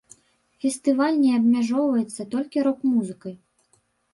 Фестываль не абмяжоўваецца толькі рок-музыкай.